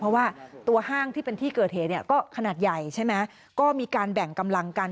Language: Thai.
เพราะว่าตัวห้างที่เป็นที่เกิดเหตุเนี่ยก็ขนาดใหญ่ใช่ไหมก็มีการแบ่งกำลังกัน